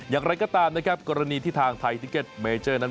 อย่างไรก็ตามนะครับกรณีที่ทางไทยซิเก็ตเมเจอร์นั้น